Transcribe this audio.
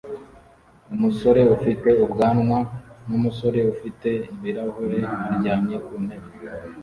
Umusore ufite ubwanwa n'umusore ufite ibirahure aryamye ku ntebe